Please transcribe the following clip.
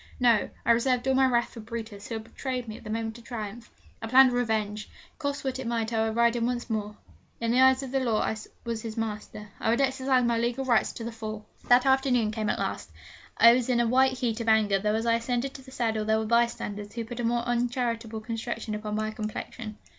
No: I reserved all my wrath for Brutus, who had betrayed me at the moment of triumph. I planned revenge. Cost what it might I would ride him once more. In the eyes of the law I was his master. I would exercise my legal rights to the full. The afternoon came at last. I was in a white heat of anger, though as I ascended to the saddle there were bystanders who put a more uncharitable construction upon my complexion.